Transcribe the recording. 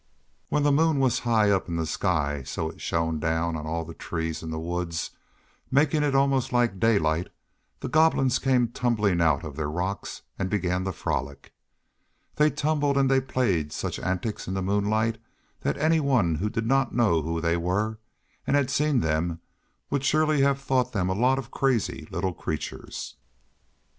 When the moon was high up in the sky so it shone down on all the trees in the woods, making it almost like daylight, the Goblins came tumbling out of their rocks and began their frolic. They tumbled and they played such antics in the moonlight that anyone who did not know who they were and had seen them would surely have thought them a lot of crazy little creatures.